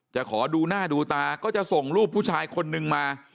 ขอดูหน้าดูตาก็จะส่งรูปผู้ชายคนนึงมา